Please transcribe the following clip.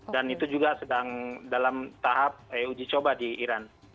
dan itu juga sedang dalam tahap uji coba di iran